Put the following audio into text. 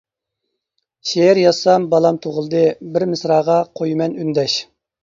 شېئىر يازسام بالام تۇغۇلدى، بىر مىسراغا قويىمەن ئۈندەش.